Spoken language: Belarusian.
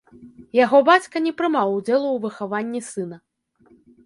Яго бацька не прымаў удзелу ў выхаванні сына.